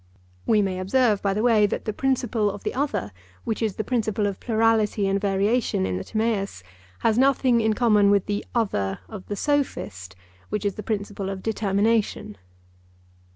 (We may observe by the way, that the principle of the other, which is the principle of plurality and variation in the Timaeus, has nothing in common with the 'other' of the Sophist, which is the principle of determination.)